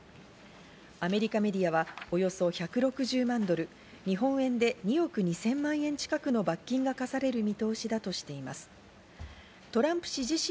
アメリカメディアはおよそ１６０万ドル、日本円で２億２０００万円近くの罰金が科される見通しだとしています。